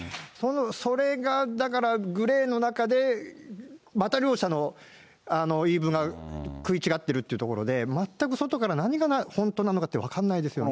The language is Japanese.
それが、だからグレーの中でまた両者の言い分が食い違っているというところで、全く外から何が本当なのかって分からないですよね。